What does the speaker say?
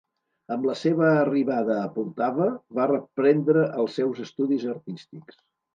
Amb la seva arribada a Poltava, va reprendre els seus estudis artístics.